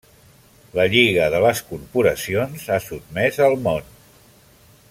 La Lliga de les corporacions ha sotmès al món.